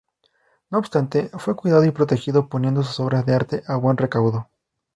No obstante fue cuidado y protegido, poniendo sus obras de arte a buen recaudo.